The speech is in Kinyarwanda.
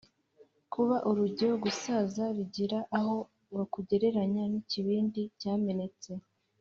kuba urujyo: gusaza bigera aho bakugereranya n’ikibindi cyamenetse